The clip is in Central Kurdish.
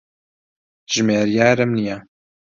ژمێریارم نییە.